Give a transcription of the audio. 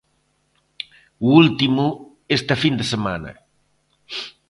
O último, esta fin de semana.